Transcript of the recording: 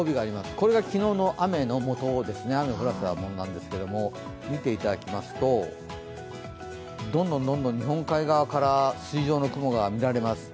これが昨日の雨を降らせたものなんですが、見ていただきますとどんどん日本海側から筋状の雲が見られます。